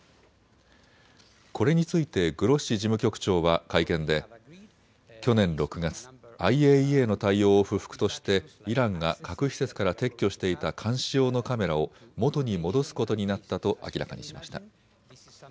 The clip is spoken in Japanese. これについてグロッシ事務局長は会見で去年６月、ＩＡＥＡの対応を不服としてイランが核施設から撤去していた監視用のカメラをもとに戻すことになったと明らかにしました。